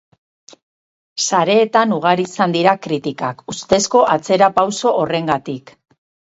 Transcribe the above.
Sareetan ugari izan dira kritikak ustezko atzerapauso horrengatik.